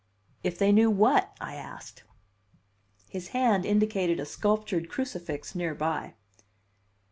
"If they knew what?" I asked. His hand indicated a sculptured crucifix near by.